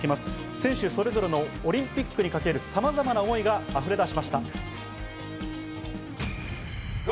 選手それぞれのオリンピックにかける、さまざまな思いが溢れ出しました。